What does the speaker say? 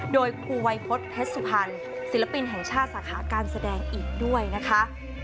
โดยคุณวัยพจต์เพชรสิลปินแห่งชาติสาขาการแสดงอีกด้วยนะคะ